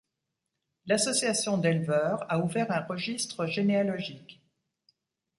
L'association d'éleveurs a ouvert un registre généalogique.